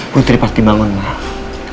putri pasti bangun lah